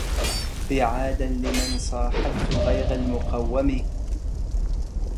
بعادا لمن صاحبت غير المقوم